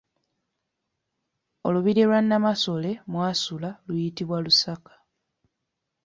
Olubiri lwa Namasole mwasula luyitibwa Lusaka.